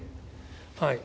はい。